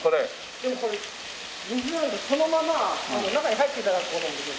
でもこれ水なのにそのまま中に入って頂く事もできるんですよ。